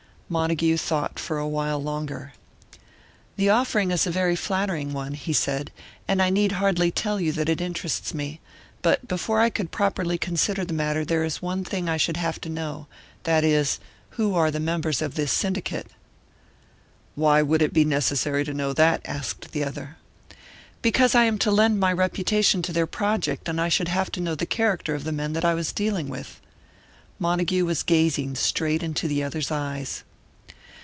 Montague thought for a while longer. "The offer is a very flattering one," he said, "and I need hardly tell you that it interests me. But before I could properly consider the matter, there is one thing I should have to know that is, who are the members of this syndicate." "Why would it be necessary to know that?" asked the other. "Because I am to lend my reputation to their project, and I should have to know the character of the men that I was dealing with." Montague was gazing straight into the other's eyes.